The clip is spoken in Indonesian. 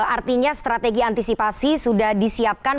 artinya strategi antisipasi sudah disiapkan